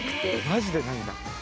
マジでないんだ。